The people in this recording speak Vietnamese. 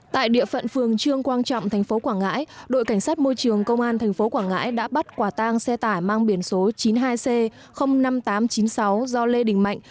tại địa phận phường trương quang trọng tp quảng ngãi đội cảnh sát môi trường công an tp quảng ngãi đã bắt quả tang xe tải mang biển số chín mươi hai c năm nghìn tám trăm chín mươi sáu do lê đình mạnh